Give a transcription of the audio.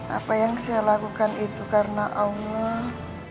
apa yang saya lakukan itu karena allah